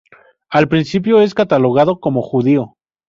Al principio, es catalogado como judío.